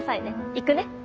行くね。